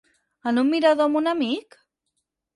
En un mirador amb un amic?